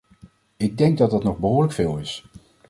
Ik denk dat dat nog behoorlijk veel is.